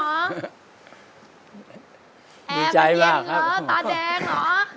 แอบเสียงเหรอตาแดงเหรอ